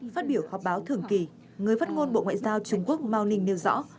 phát biểu họp báo thường kỳ người phát ngôn bộ ngoại giao trung quốc mao ninh nêu rõ